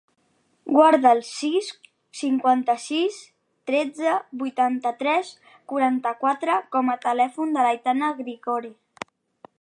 Guarda el sis, cinquanta-sis, tretze, vuitanta-tres, quaranta-quatre com a telèfon de l'Aitana Grigore.